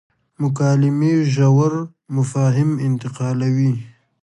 مکالمې ژور مفاهیم انتقالوي.